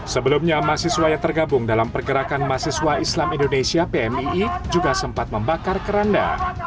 sebelumnya mahasiswa yang tergabung dalam pergerakan mahasiswa islam indonesia pmii juga sempat membakar keranda